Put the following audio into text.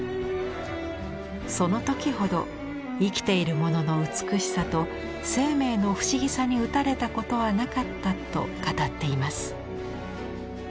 その時ほど生きているものの美しさと生命の不思議さに打たれたことはなかったと語っています。